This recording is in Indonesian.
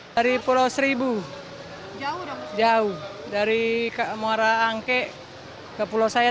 dari pulau seribu jauh dari muara angke ke pulau saya